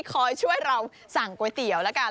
คอยช่วยเราสั่งก๋วยเตี๋ยวแล้วกัน